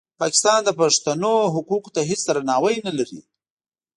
پاکستان د پښتنو حقوقو ته هېڅ درناوی نه لري.